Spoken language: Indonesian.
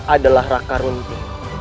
adalah raka runti